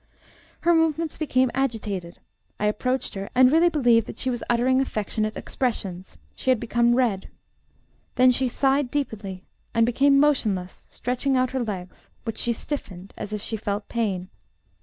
"Her movements became agitated; I approached her, and really believe that she was uttering affectionate expressions; she had become red. Then she sighed deeply, and became motionless, stretching out her legs, which she stiffened, as if she felt pain."